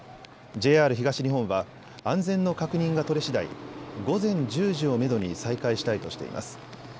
ＪＲ東日本は安全の確認が取れしだい午前１０時をめどに再開したいとしています。